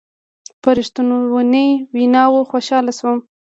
په رښتنوني ویناوو خوشحاله شوم.